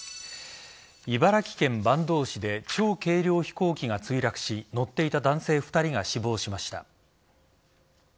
茨城県坂東市で超軽量飛行機が墜落し乗っていた男性２人が死亡しました。